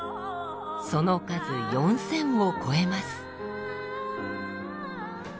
その数４，０００を超えます。